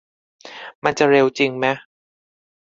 มันจะเร็วจริงแมะ